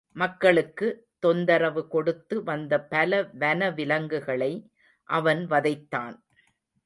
மக்களுக்கு தொந்தரவு கொடுத்து வந்த பல வனவிலங்குகளை அவன் வதைத்தான்.